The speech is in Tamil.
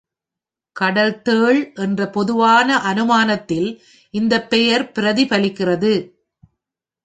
"கடல் தேள்" என்ற பொதுவான அனுமானத்தில் இந்த பெயர் பிரதிபலிக்கிறது.